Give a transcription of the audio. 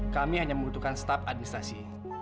kami hanya membutuhkan staf administrasi